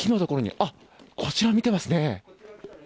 あ、こちらを見ていますね。